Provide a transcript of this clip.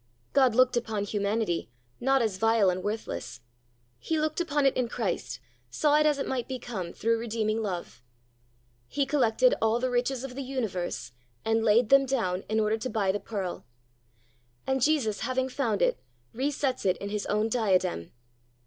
God looked upon humanity, not as vile and worthless; He looked upon it in Christ, saw it as it might become through redeeming love. He collected all the riches of the universe, and laid them down in order to buy the pearl. And Jesus, having found it, re sets it in His own diadem.